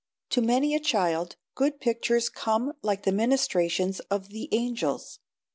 To many a child good pictures come like the ministrations of the angels.